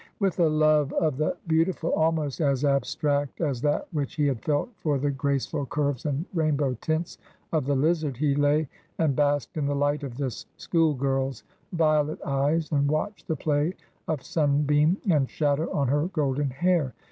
With a love of the beautiful almost as abstract as that which he had felt for the graceful curves and rainbow tints of the lizard, he lay and basked in the light of this school girl's violet eyes, and watched the play of sunbeam and shadow on her golden hair.